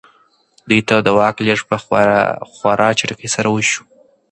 دوی ته د واک لېږد په خورا چټکۍ سره وشو.